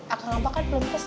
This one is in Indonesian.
akang abah kan belum keser